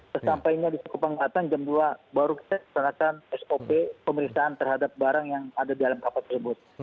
sesampainya di sukupang batang jam dua baru kita lakukan sop pemeriksaan terhadap barang yang ada di dalam kapal tersebut